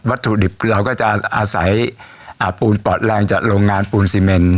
ถุดิบเราก็จะอาศัยปูนปอดแรงจากโรงงานปูนซีเมน